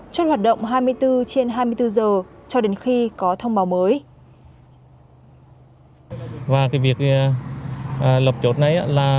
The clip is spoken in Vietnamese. trong hoạt động hai mươi bốn trên hai mươi bốn giờ cho đến khi có thông báo mới